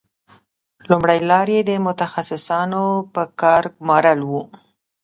لومړۍ لار یې د متخصصانو په کار ګومارل وو